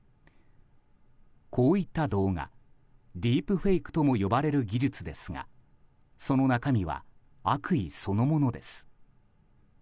こういった動画ディープフェイクとも呼ばれる技術ですがその中身は悪意そのものです。